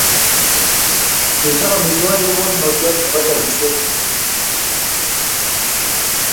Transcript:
Kechop amitwogik ko kanunotiot nebo chopisiet